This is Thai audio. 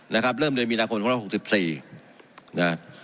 นะครับเริ่มเดือนมีนาคมของ๑๖๔นะ